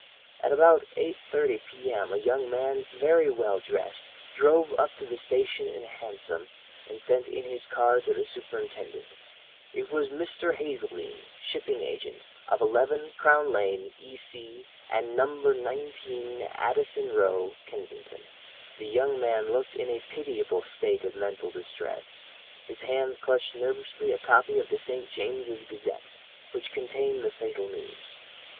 At about 8.30 p.m. a young man, very well dressed, drove up to the station in a hansom, and sent in his card to the superintendent. It was Mr. Hazeldene, shipping agent, of 11, Crown Lane, E.C., and No. 19, Addison Row, Kensington. "The young man looked in a pitiable state of mental distress; his hand clutched nervously a copy of the St. James's Gazette, which contained the fatal news.